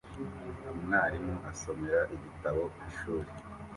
Umwarimu asomera igitabo ishuri